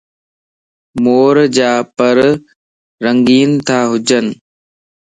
مورَ جا پرَ رنگين تا ھونجن